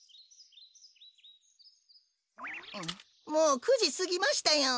もう９じすぎましたよ。